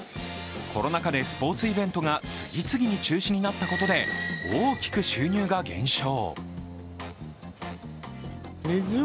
コロナ禍でスポーツイベントが次々に中止になったことで大きく収入が減少。